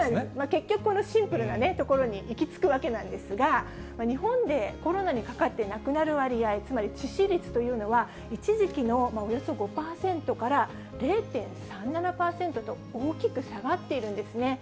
結局、このシンプルなところに行きつくわけなんですが、日本でコロナにかかって亡くなる割合、つまり致死率というのは、一時期のおよそ５％から０．３７％と大きく下がっているんですね。